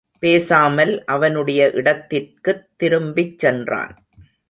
பேசாமல் அவனுடைய இடத்திற்குத் திரும்பிச் சென்றான்.